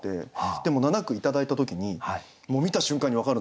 でも７句頂いた時にもう見た瞬間に分かるんですよ